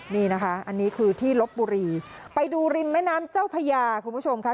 นี่นะคะอันนี้คือที่ลบบุรีไปดูริมแม่น้ำเจ้าพญาคุณผู้ชมค่ะ